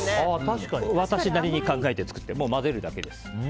私なりに考えて作って混ぜるだけです。